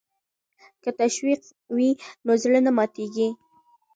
که تشویق وي نو زړه نه ماتیږي.